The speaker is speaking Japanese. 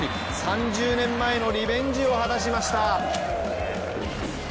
３０年前のリベンジを果たしました。